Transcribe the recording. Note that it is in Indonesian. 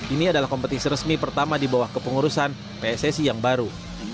ini adalah kompetisi resmi pertama di bawah kepengurusan pssi yang baru